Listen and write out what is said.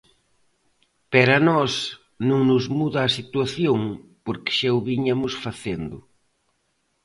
Pero a nós non nos muda a situación porque xa o viñamos facendo.